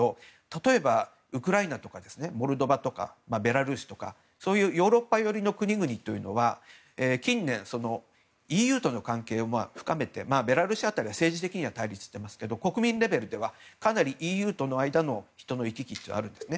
例えばウクライナとかモルドバとかベラルーシとかヨーロッパ寄りの国々というのは近年、ＥＵとの関係を深めてベラルーシ辺りは政治的には対立してますけど国民レベルではかなりＥＵとの間との人の行き来があるんです。